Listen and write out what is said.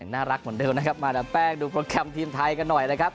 น่ารักเหมือนเดิมนะครับมาดามแป้งดูโปรแกรมทีมไทยกันหน่อยนะครับ